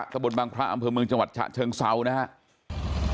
ตะบนบางพระอำเภอเมืองจังหวัดฉะเชิงเซานะครับ